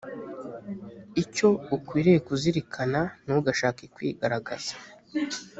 icyo ukwiriye kuzirikana ntugashake kwigaragaza